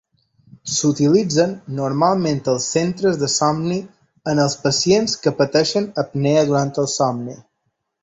S'utilitzen normalment als centres de somni en els pacients que pateixen apnea durant el somni.